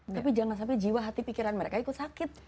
tapi jangan sampai jiwa hati pikiran mereka ikut sakit